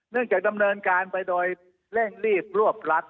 จากดำเนินการไปโดยเร่งรีบรวบรัด